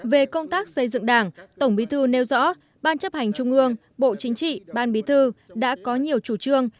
về công tác xây dựng đảng tổng bí thư nêu rõ ban chấp hành trung ương bộ chính trị ban bí thư đã có nhiều chủ trương